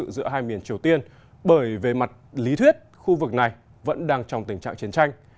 giữa hai miền triều tiên bởi về mặt lý thuyết khu vực này vẫn đang trong tình trạng chiến tranh